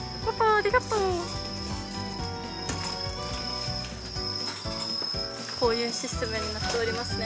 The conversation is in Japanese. ありがとうこういうシステムになっておりますね